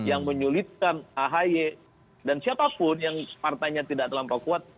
yang menyulitkan ahy dan siapapun yang partainya tidak terlampau kuat